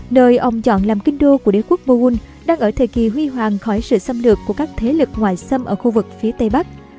nơi ông chọn làm kinh đô của đế quốc moghun đang ở thời kỳ huy hoàng khỏi sự xâm lược của các thế lực ngoại xâm ở khu vực phía tây bắc